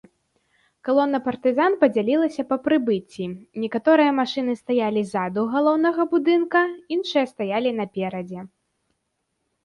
Калона партызан падзялілася па прыбыцці, некаторыя машыны стаялі ззаду галоўнага будынка, іншыя стаялі наперадзе.